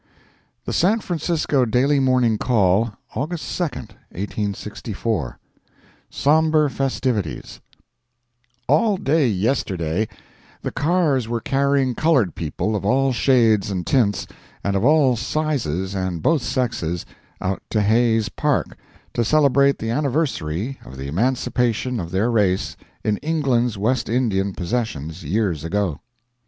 The San Francisco Daily Morning Call, August 2, 1864 SOMBRE FESTIVITIES All day yesterday the cars were carrying colored people of all shades and tints, and of all sizes and both sexes, out to Hayes' Park, to celebrate the anniversary of the emancipation of their race in England's West Indian possessions years ago.